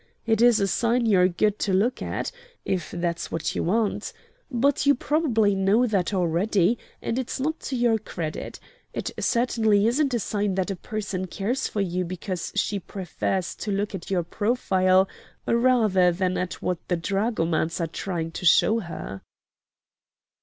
"It is a sign you're good to look at, if that's what you want. But you probably know that already, and it's nothing to your credit. It certainly isn't a sign that a person cares for you because she prefers to look at your profile rather than at what the dragomans are trying to show her."